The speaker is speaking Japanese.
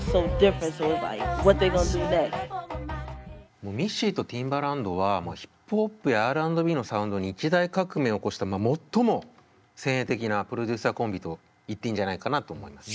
もうミッシーとティンバランドはヒップホップやＲ＆Ｂのサウンドに一大革命を起こしたまあ最も先鋭的なプロデューサーコンビと言っていいんじゃないかなと思います。